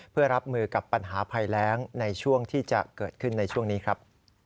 เพื่อรับมือกับปัญหาภัยแรงในช่วงที่จะเกิดขึ้นในช่วงนี้ครับ